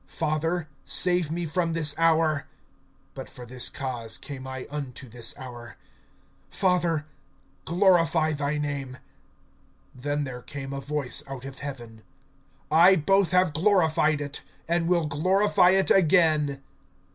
Father, save me from this hour[12:27]! But for this cause came I unto this hour. (28)Father, glorify thy name. Then there came a voice out of heaven: I both have glorified it, and will glorify it again.